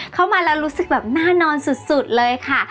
เข้ามาแล้วรู้สึกแบบน่านอนสุดเลยค่ะ